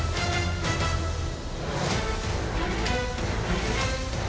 สวัสดีค่ะ